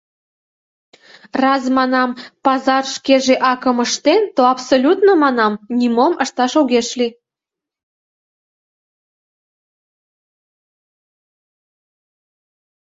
Раз, манам, пазар шкеже акым ыштен, то абсолютно, манам, нимом ышташ огеш лий.